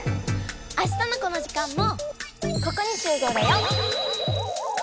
あしたのこの時間もここにしゅうごうだよ！